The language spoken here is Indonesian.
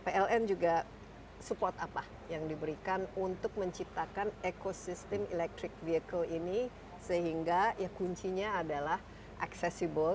pln juga support apa yang diberikan untuk menciptakan ekosistem electric vehicle ini sehingga ya kuncinya adalah accessible